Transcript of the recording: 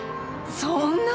そんな。